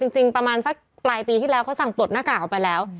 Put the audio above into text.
จริงประมาณสักปลายปีที่แล้วเขาสั่งปลดหน้ากากออกไปแล้ว